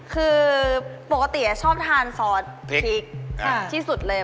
คือปกติชอบทานซอสพริกที่สุดเลย